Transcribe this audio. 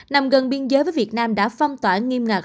nằm gần biên giới với việt nam đã phong tỏa nghiêm ngặt